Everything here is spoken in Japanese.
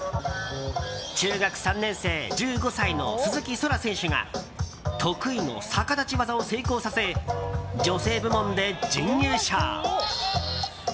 中学３年生、１５歳の鈴木蒼空選手が得意の逆立ち技を成功させ女性部門で準優勝。